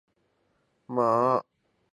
玛瑙芋螺为芋螺科芋螺属下的一个种。